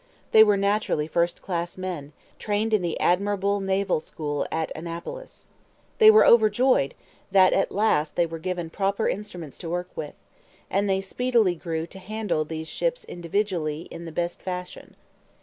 They were naturally first class men, trained in the admirable naval school at Annapolis. They were overjoyed that at last they were given proper instruments to work with, and they speedily grew to handle these ships individually in the best fashion.